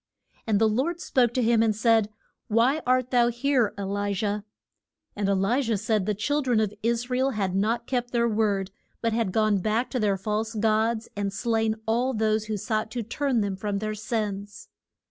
And the Lord spoke to him, and said, Why art thou here, E li jah? And E li jah said the chil dren of Is ra el had not kept their word, but had gone back to their false gods, and slain all those who sought to turn them from their sins.